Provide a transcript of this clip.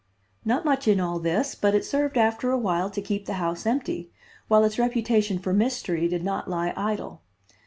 Not much in all this, but it served after a while to keep the house empty, while its reputation for mystery did not lie idle.